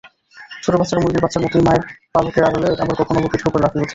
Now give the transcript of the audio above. ছোট বাচ্চারা মুরগির বাচ্চার মতই মায়ের পালকের আড়ালে, আবার কখনোবা পিঠের উপর লাফিয়ে ওঠে।